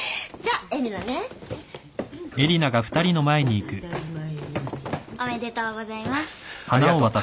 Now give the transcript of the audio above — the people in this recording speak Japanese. ありがとうございます。